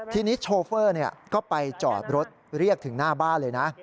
ทีนี้โชเฟอร์ก็ไปจอดรถเรียกถึงหน้าบ้านเลยนะ